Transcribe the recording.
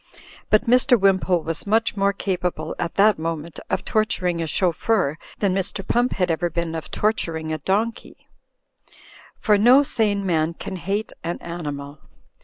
But Mr. Wimpole was much more capable at that moment of torturing a chauffeur than Mr. Pump had ever been of torturing a donkey; for no sane man can hate an animal.